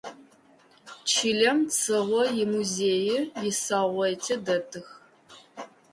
Чылэм Цыгъо имузеий исаугъэти дэтых.